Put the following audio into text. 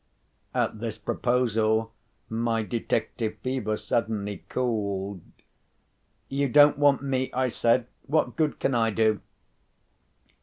At this proposal, my detective fever suddenly cooled. "You don't want me," I said. "What good can I do?"